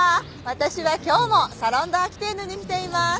私は今日もサロン・ド・アキテーヌに来ています。